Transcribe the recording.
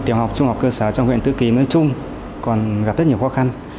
tiểu học trung học cơ sở trong huyện tứ kỳ nói chung còn gặp rất nhiều khó khăn